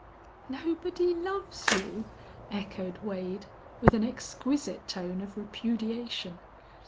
"Nobody loves you!" echoed Wade, with an exquisite tone of repudiation.